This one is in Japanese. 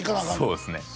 そうですね